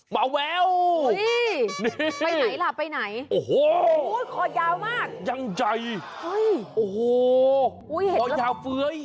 มาแววนี่โอ้โฮขอยาวมากยังใจโอ้โฮขอยาวเฟ้ย